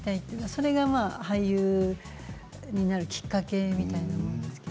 それが俳優になるきっかけみたいなものですね。